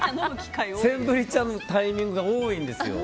センブリ茶のタイミングが多いんですよ。